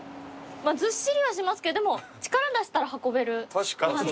ずっしりはしますけどでも力出したら運べる。